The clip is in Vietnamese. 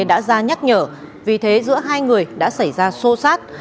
đã ra nhắc nhở vì thế giữa hai người đã xảy ra sô sát